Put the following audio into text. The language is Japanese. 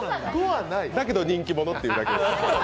だけど人気者ってだけで。